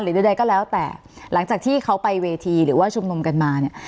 ใดก็แล้วแต่หลังจากที่เขาไปเวทีหรือว่าชุมนุมกันมาเนี่ย